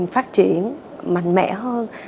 phát triển mạnh mẽ hơn